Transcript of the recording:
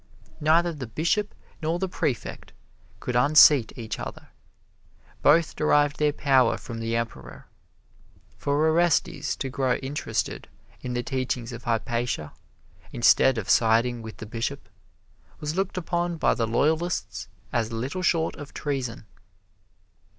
Neither the Bishop nor the Prefect could unseat each other both derived their power from the Emperor. For Orestes to grow interested in the teachings of Hypatia, instead of siding with the Bishop, was looked upon by the loyalists as little short of treason.